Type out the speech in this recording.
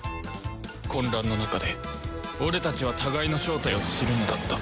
混乱の中で俺たちは互いの正体を知るのだった